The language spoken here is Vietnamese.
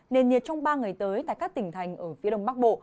nền nhiệt trong ba ngày tới tại các tỉnh thành ở phía đông bắc bộ